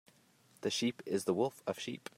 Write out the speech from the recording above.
The sheep is the wolf of sheep.